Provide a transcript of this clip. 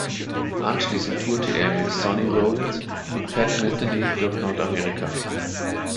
Anschließend tourte er mit Sonny Rollins und Pat Metheny durch Nordamerika.